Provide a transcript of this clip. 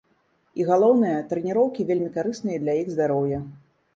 І галоўнае, трэніроўкі вельмі карысныя для іх здароўя.